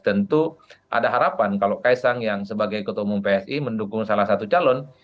tentu ada harapan kalau kaisang yang sebagai ketua umum psi mendukung salah satu calon